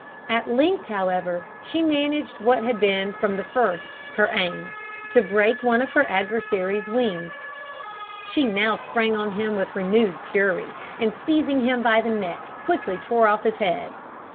At length, however, she managed what had been from the first her aim to break one of her adversary's wings. She now sprang on him with renewed fury, and seizing him by the neck, quickly tore off his head.